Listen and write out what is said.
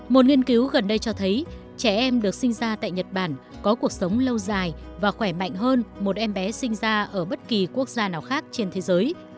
một nghiên cứu gần đây cho thấy trẻ em được sinh ra tại nhật bản có cuộc sống lâu dài và khỏe mạnh hơn một em bé sinh ra ở bất kỳ quốc gia nào khác trên thế giới